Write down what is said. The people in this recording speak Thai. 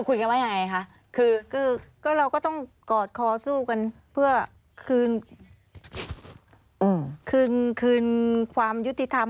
คือเราต้องกอดคอสู้กัน